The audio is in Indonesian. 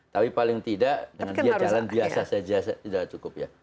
tapi paling tidak dengan dia jalan biasa saja sudah cukup ya